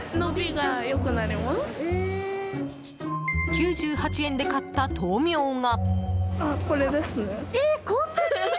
９８円で買った豆苗が。